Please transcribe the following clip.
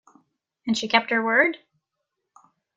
And she kept her word?